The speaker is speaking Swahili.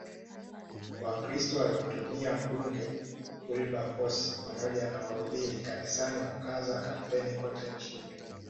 Wakristo walimtumia Mbunge Wilberforce pamoja na wahubiri kanisani kukaza kampeni kote nchini